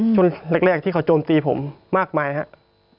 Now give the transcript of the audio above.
ช่วงแรกที่เขาโจมตีผมมากมายครับ